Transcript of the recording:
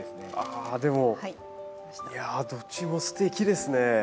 あでもいやどっちもすてきですね。